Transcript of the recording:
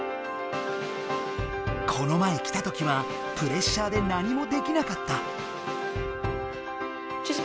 この前来たときはプレッシャーで何もできなかった。